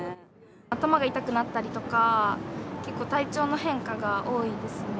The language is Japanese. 頭が痛くなったりとか、結構、体調の変化が多いですね。